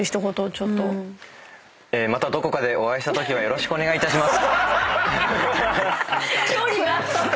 またどこかでお会いしたときはよろしくお願いいたします。